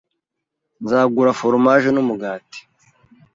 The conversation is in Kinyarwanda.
Nzagura foromaje n'umugati.